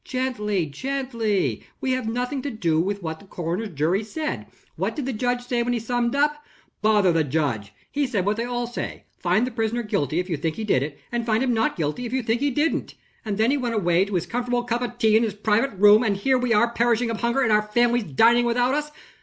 "Gently! gently! we have nothing to do with what the coroner's jury said. What did the judge say when he summed up?" "Bother the judge! He said what they all say: 'Find the prisoner guilty, if you think he did it; and find him not guilty, if you think he didn't.' And then he went away to his comfortable cup of tea in his private room. And here are we perishing of hunger, and our families dining without us."